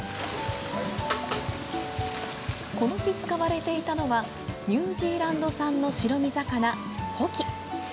この日、使われていたのはニュージーランド産の白身魚ホキ。